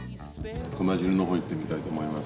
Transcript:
熊汁のほういってみたいと思います。